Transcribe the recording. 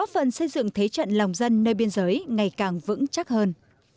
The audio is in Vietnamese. phần xây dựng thế trận lòng dân nơi biên giới ngày càng vững chắc hơn